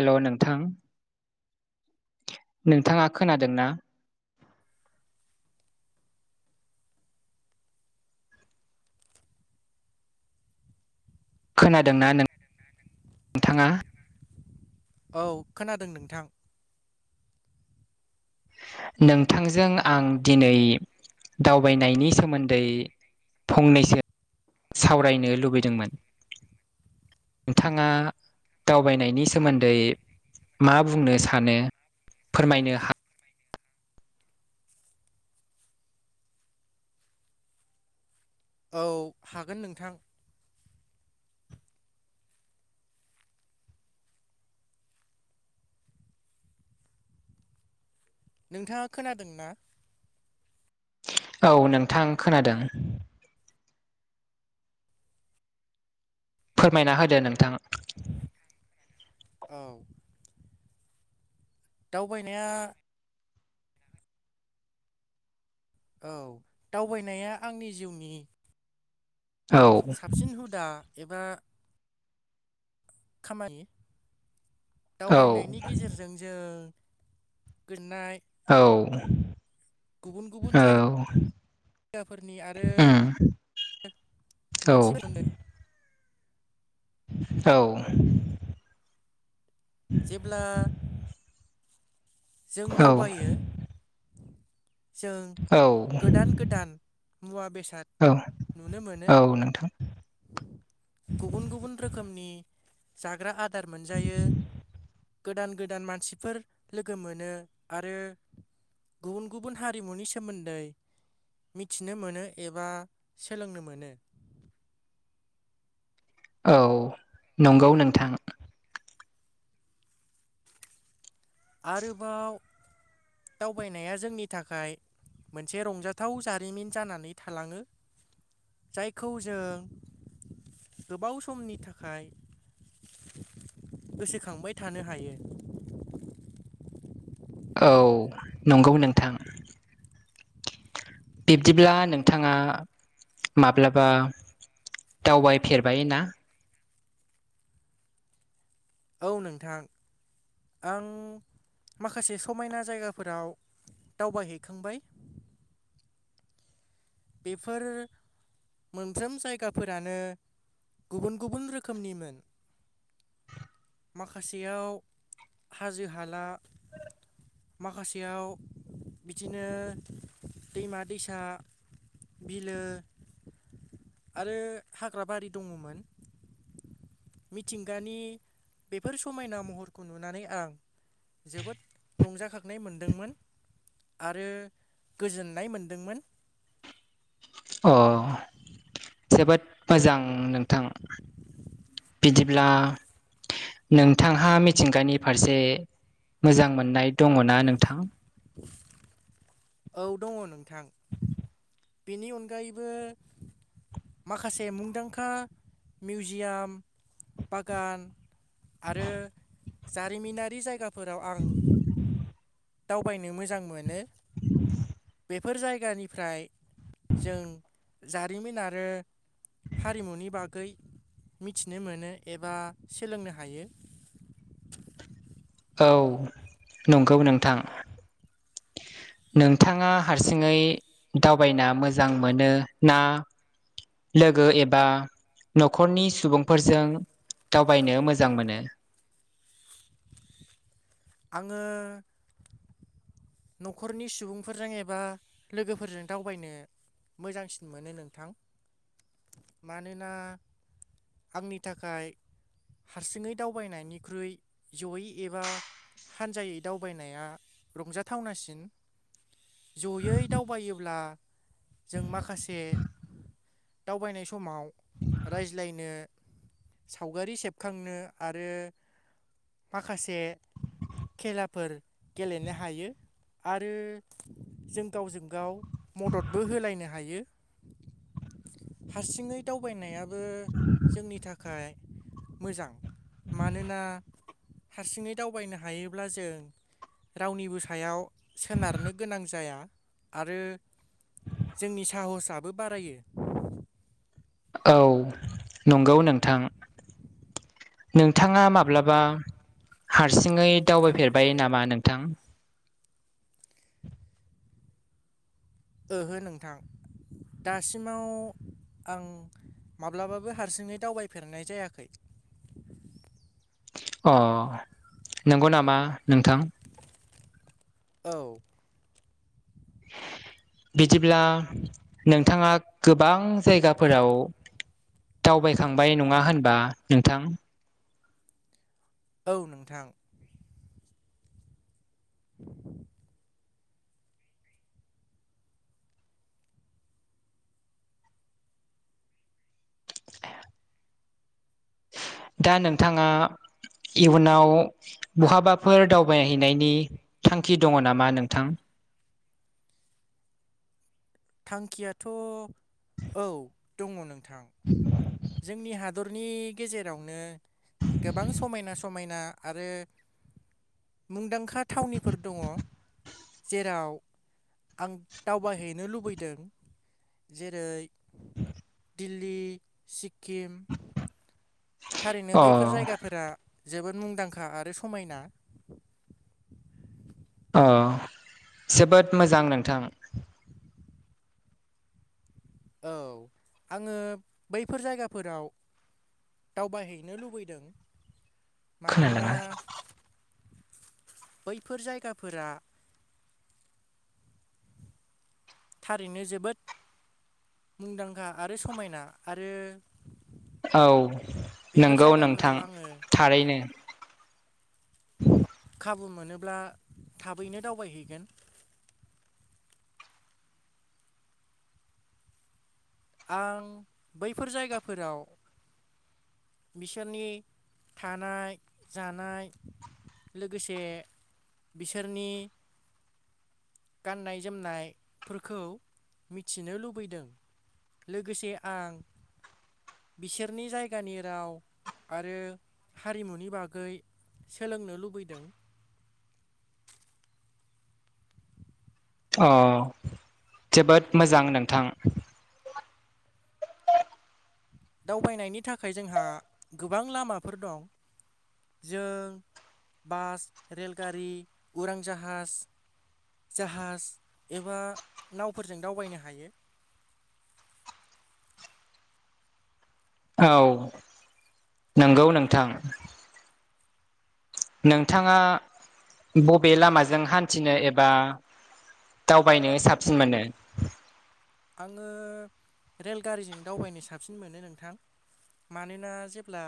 हेल' नोंथां नोंथाङा खोनादोंना? खोनादोंना नों नोंथाङा? औ खोनादों नोंथां। नोंथांजों आं दिनै दावबायनायनि सोमोन्दै फंनैसो सावरायनो लुबैदोंमोन। नोंथाङा दावबायनायनि सोमोन्दै मा बुंनो सानो फोरमायनो हा औ हागोन नोंथां। नोंथाङा खोनादों ना? औ नोंथां खोनादों। फोरमायना होदो नोंथां। औ। दावबायनाया औ दावबायनाया आंनि जिउनि औ साबसिन हुदा एबा खामानि औ दावबायनायनि गेजेरजों जों जों गोजोननाय औ गुबुन गुबुन औ। जायगाफोरनि आरो उम औ। मानसिफोरनो औ। जेब्ला जों दावबायो जों औ गोदान गोदान मुवा बेसाद औ नुनो मोनो। औ नोंथां गुबुन गुबुन रोखोमनि जाग्रा आद दार मोनजायो गोदान गोदान मानसिफोर लोगो मोनो आरो गुबुन गुबुन हारिमुनि सोमोन्दै मिथिनो मोनो एबा सोलोंनो मोनो। औ नंगौ नोंथां। आरोबाव दावबायनाया जोंनि थाखाय मोनसे रंजाथाव जारिमिन जानानै थालाङो। जायखौ जों गोबाव समनि थाखाय गोसोखांबाय थानो हायो। औ नंगौ नोंथां। बिब्दिब्ला नोंथाङा माब्लाबा दावबायफेरबाय ना? औ नोंथां आं माखासे समायना जायगाफोराव दावबायहैखांबाय। बेफोर मोनफ्रोम जायगाफोरानो गुबुन गुबुन रोखोमनिमोन माखासेयाव हाजो हाला माखासेयाव बिदिनो दैमा दैसा बिलो आरो हाग्रा बारि दङमोन। मिथिंगानि बेफोर समायना महरखौ नुनानै आं जोबोद रंजाखांनाय मोनदोंमोन। आरो गोजोननाय मोनदोंमोन। अ जोबोद मोजां नोंथां। बिदिब्ला नोंथांहा मिथिंगानि फारसे मोजां मोननाय दङ ना नोंथां? औ दङ नोंथां। बेनि अनगायैबो माखासे मुंदांखा मिउजियाम बागान आरो जारिमिनारि जायगाफोराव आं दावबायनो मोजां मोनो [inaudible] बेफोर जायगानिफ्राय जों जारिमिन आरो हारिमुनि बागै मिथिनो मोनो एबा सोलोंनो हायो। औ नंगौ नोंथां नोंथाङा हारसिङै दावबायना मोजां मोनो ना लोगो एबा न'खरनि सुबुंफोरजों दावबायनो मोजां मोनो? आङो न'खरनि सुबुंफोरजों एबा लोगोफोरजों दावबायनो मोजांसिन मोनो नोंथां। मानोना आंनि थाखाय हारसिङै दावबायनायनिख्रुइ जयै एबा हानजायै दावबायनाया रंजाथावनासिन। जयै दावबायोब्ला जों माखासे दावबायनाय समाव रायज्लायनो सावगारि सेबखांनो आरो माखासे खेलाफोर गेलेनो हायो‌। आरो जों गावजों गाव मददबो होलायनो हायो। [inaudible] हारसिङै दावबायनायाबो जोंनि थाखाय मोजां। मानोना हारसिङै दावबायनो हायोब्ला जों रावनिबो स सायाव सोनारनो गोनां जाया आरो जोंनि साहसआबो बारायो। औ नंगौ नोंथां। नोंथाङा माब्लाबा हारसिङै दावबायफेरबाय नामा नोंथां? ओहो नोंथां। दासिमाव आं माब्लाबाबो हारसिङै दावबायफेरनाय जायाखै। अ नंगौ नामा नोंथां? औ। बिदिब्ला नोंथाङा गोबां जायगाफोराव दावबायखांबाय नङा होनबा नोंथां? औ नोंथां। [inaudible] ए दा नोंथाङा इयुनाव बहाबाफोर दावबायहैनायनि थांखि दङ नामा नोंथां? थांखियाथ' औ दङ नोंथां। [inaudible] जोंनि हादरनि गेजेरावनो गोबां समायना समायना आरो मुंदांखा थावनिफोर दङ। जेराव आं दावबायहैनो लुबैदों जेरै दिल्ली, सिक्किम, थारैनो अ बैफोर जायगाफोरा जोबोद मुंदांखा आरो समायना। अ जोबोद मोजां नोंथां। [inaudible] औ आङो बैफोर जायगाफोराव दावबायहैनो लुबैदों। मानोना खोनादोंना? बैफोर जायगाफोरा थारैनो जोबोद मुंदांखा आरो समायना आरो औ बेफोर नंगौ नोंथां जायगाफोराव आङो थारैनो। खाबु मोनोब्ला थाबैनो दावबायहैगोन। आं बैफोर जायगाफोराव बिसोरनि थानाय जानाय लोगोसे बिसोरनि गाननाय जोमनायफोरखौ मिथिनो लुबैदों। लोगोसे आं बिसोरनि जायगानि राव आरो हारिमुनि बागै सोलोंनो लुबैदों। अ जोबोद मोजां नोंथां। दावबायनायनि थाखाय जोंहा गोबां लामाफोर दं। जों बास रेलगारि उरां जाहाज जाहाज एबा नावफोरजों दावबायनो हायो। औ नंगौ नोंथां। नोंथाङा बबे लामाजों हान्थिनो एबा दावबायनो साबसिन मोनो? आङो रेलगारिजों दावबायनो साबसिन मोनो नोंथां। मानोना जेब्ला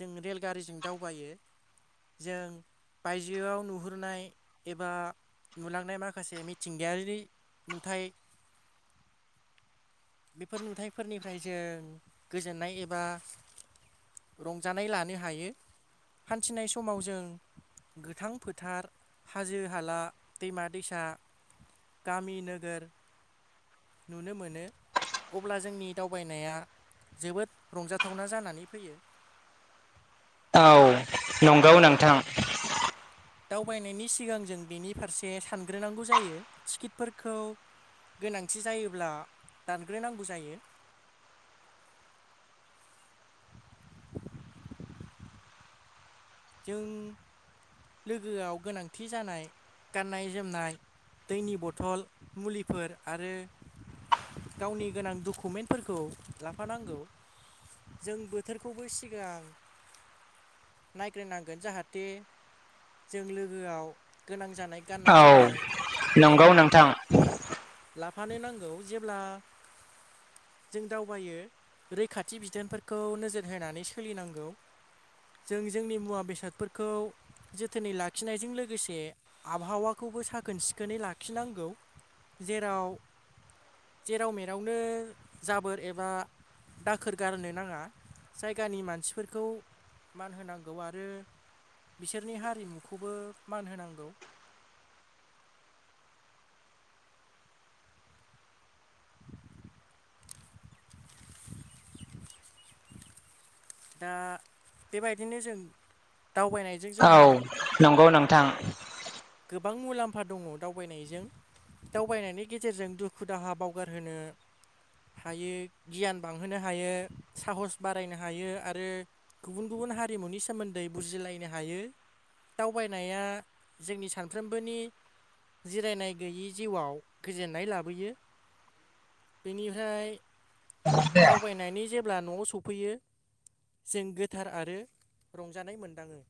जों रेलगारिजों दावबायो जों बायजोआव नुहुरनाय एबा नुलांनाय माखासे मिथिंगायारि नुथाय बेफोर नुथाइफोरनिफ्राय जों गोजोननाय एबा रंजानाय लानो हायो। हान्थिनाय समाव जों गोथां फोथार हाजो हाला दैमा दैसा गामि नोगोर नुनो मोनो अब्ला जोंनि दावबायनाया जोबोद रंजाथावना जानानै फैयो। औ नंगौ नोंथां। दावबायनायनि सिगां जों बेनि फारसे सानग्रोनांगौ जायो। टिकिटफोरखौ गोनांथि जायोब्ला दानग्रोनांगौ जायो जों लोगोआव गोनांथि जानाय गाननाय जोमनाय दैनि बथल मुलिफोर आरो। गावनि गोनां डकुमेन्टफोरखौ लाफानांगौ। जों बोथोरखौबो सिगां। नायग्रोनांगोन जाहाथे जों लोगोआव गोनां जानाय। गाननाय औ जोमनाय नंगौ नोंथां। लाफानो नांगौ जेब्ला जों दावबायो रैखाथि बिथोनफोरखौ नोजोर होनानै सोलिनांगौ। जों जोंनि मुवा बेसादफोरखौ जोथोनै लाखिनायजों लोगोसे आबहावाखौबो साखोन सिखोनै लाखिनांगौ। जेराव जेराव मेरावनो जाबोर एबा दाखोर गारनो नाङा जायगानि मानसिफोरखौ मान होनांगौ आरो बिसोरनि हारिमुखौबो मान होनांगौ। [inaudible] दा बेबायदिनो जों दावबायनाय औ नंगौ नोंथां। गोबां मुलाम्फा दङ दावबायनायजों दावबायनायनि गेजेरजों दुखु दाहा बावगारहोनो। हायो गियान बांहोनो हायो साहस बारायनो हायो आरो गुबुन गुबुन हारिमुनि सोमोन्दै बुजिलायनो हायो दावबायनाया जोंनि सानफ्रोमबोनि जिरायनाय गैयि जिउआव गोजोननाय लाबोयो। बेनिफ्राय दावबायनायनि जेब्ला न'आव सफैयो। जों गोथार आरो रंजानाय मोनदाङो।